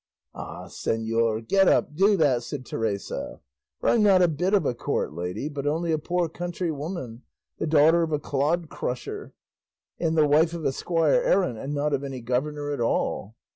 "Ah, señor, get up, do that," said Teresa; "for I'm not a bit of a court lady, but only a poor country woman, the daughter of a clodcrusher, and the wife of a squire errant and not of any governor at all."